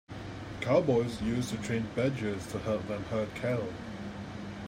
Cowboys used to train badgers to help them herd cattle.